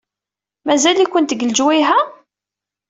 Mazal-ikent deg lejwayeh-a?